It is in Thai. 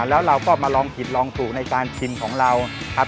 แล้วเราก็มาลองผิดลองถูกในการชิมของเราครับ